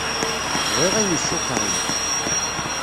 Bɣiɣ ayen isukṛin.